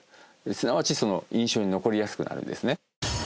すなわち印象に残りやすくなるんですね。